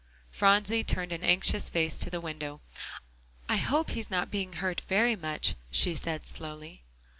Phronsie turned an anxious face to the window. "I hope he's not being hurt very much," she said slowly.